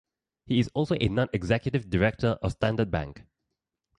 He is also a non-executive director of Standard Bank.